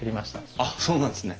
あっそうなんですね。